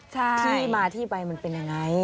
ที่มาที่ไปมันเป็นยังไง